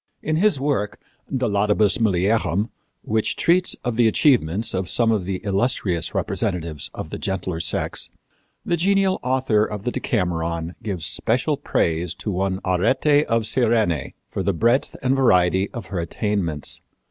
In his work, De Laudibus Mulierum, which treats of the achievements of some of the illustrious representatives of the gentler sex, the genial author of the Decameron gives special praise to one Arete of Cyrene for the breadth and variety of her attainments.